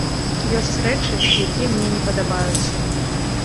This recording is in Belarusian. Ёсць рэчы, якія мне не падабаюцца.